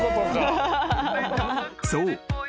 ［そう。